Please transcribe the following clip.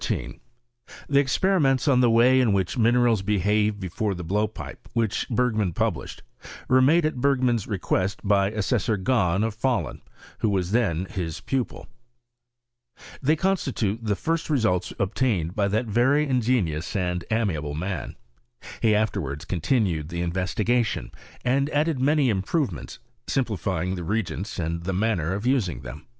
The experiments on the way in which minerals behave before the blowpipe, which Bergman pul> ■ISTOKT or CBBMISTRT. lished, were made at Bergrman's request fay Assessor Gahn, of Pahlun. who was then his pupil. They constitute the first results obtained by that very ingenious and amiable man. He afterwards coD' tiaued the investigation, and added many improve ments, simplifying the reagents and the manner of using them.